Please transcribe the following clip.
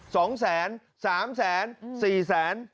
สองแสนสามแสนอืมสี่แสน